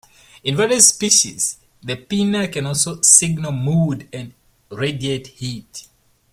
In various species, the pinna can also signal mood and radiate heat.